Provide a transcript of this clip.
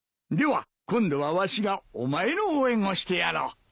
では今度はわしがお前の応援をしてやろう。